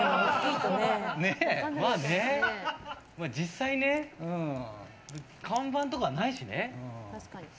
実際、看板とかないしね。